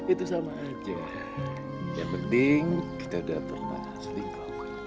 itu sama aja yang penting kita udah pernah selingkuh